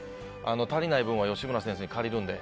足りない分は吉村先生に借りるので。